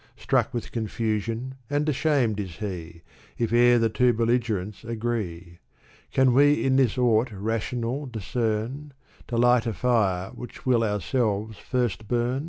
Struck with confusion and ashamed is he, If e'er the two belligerents agree. Can we in this aught rational discern — To light a fire widch will ourselves first bum?